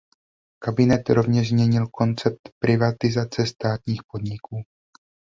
Kabinet rovněž změnil koncept privatizace státních podniků.